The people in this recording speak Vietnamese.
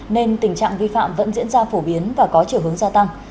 nên tình trạng vi phạm vẫn diễn ra phổ biến và có chiều hướng gia tăng